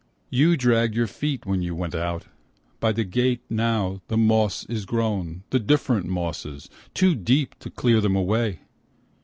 You dragged your feet when you went out. By the gate now, the moss is grown, the different mosses, Too deep to clear them away